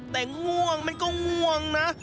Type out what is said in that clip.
แต่ง่วงมันก็ง่วงนะ